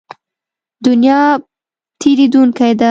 دنیا تېرېدونکې ده.